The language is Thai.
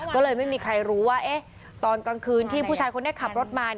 ก็เลยไม่มีใครรู้ว่าตอนกลางคืนที่ผู้ชายคนนี้ขับรถมา